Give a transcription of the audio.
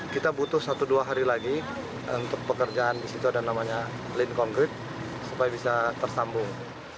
kita butuh satu dua hari lagi untuk pekerjaan di situ ada namanya lean konkret supaya bisa tersambung